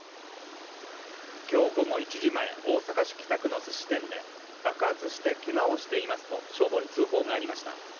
今日午後１時前、大阪市北区のすし店で爆発してけがをしていますと消防に通報がありました。